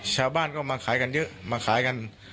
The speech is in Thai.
ชาวบ้านก็มาขายกันเยอะมาขายกัน